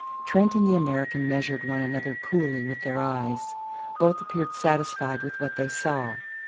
Trent and the American measured one another coolly with their eyes. Both appeared satisfied with what they saw.